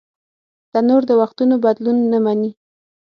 تنور د وختونو بدلون نهمني